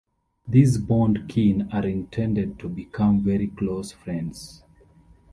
These bond-kin are intended to become very close friends.